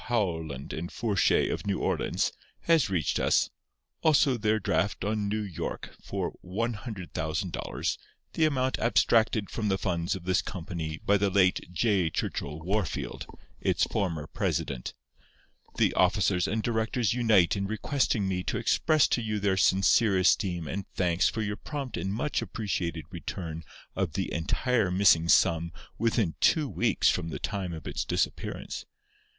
Howland and Fourchet, of New Orleans, has reached us. Also their draft on N. Y. for $100,000, the amount abstracted from the funds of this company by the late J. Churchill Wahrfield, its former president. … The officers and directors unite in requesting me to express to you their sincere esteem and thanks for your prompt and much appreciated return of the entire missing sum within two weeks from the time of its disappearance.